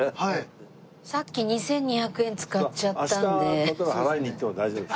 さっき２２００円使っちゃったんで。